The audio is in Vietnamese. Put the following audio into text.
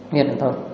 nghe bực thôi